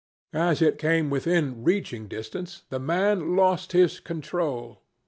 As it came within reaching distance, the man lost his control.